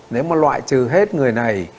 nếu mà loại trừ hết người này